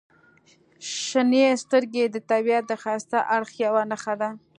• شنې سترګې د طبیعت د ښایسته اړخ یوه نښه ده.